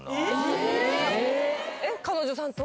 彼女さんと？